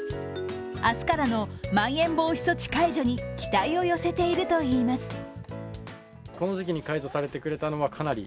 明日からのまん延防止措置解除に期待を寄せているといいます。